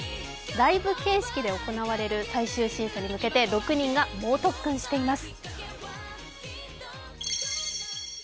ライブ形式で行われる最終審査に向けて６人が猛特訓しています。